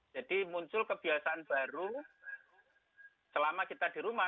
jadi muncul kebiasaan baru selama kita di rumah